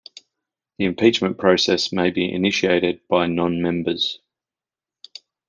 The impeachment process may be initiated by non-members.